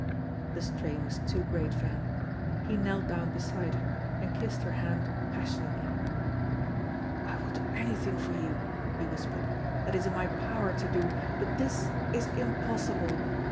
The strain was too great for him. He knelt down beside her, and kissed her hand passionately. "I will do anything for you," he whispered, "that is in my power to do; but this is impossible.